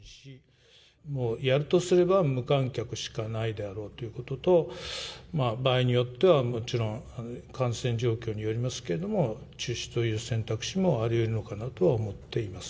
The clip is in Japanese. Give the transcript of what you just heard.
もうやるとすれば、無観客しかないであろうということと、場合によってはもちろん、感染状況によりますけれども、中止という選択肢もありうるのかなとは思っています。